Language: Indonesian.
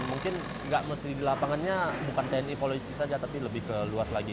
mungkin nggak mesti di lapangannya bukan tni polisi saja tapi lebih ke luas lagi